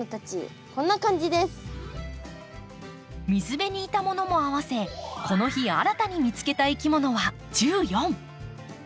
水辺にいたものも合わせこの日新たに見つけたいきものは１４。